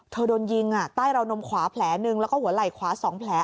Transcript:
โดนยิงใต้ราวนมขวาแผลหนึ่งแล้วก็หัวไหล่ขวา๒แผล